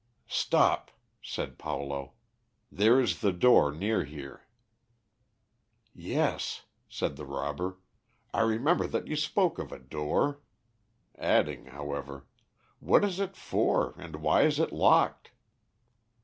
"Stop!" said Paulo; "there is the door near here." "Yes," said the robber, "I remember that you spoke of a door," adding, however, "What is it for, and why is it locked?"